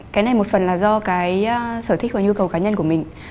cái này một phần là do cái sở thích và nhu cầu cá nhân của mình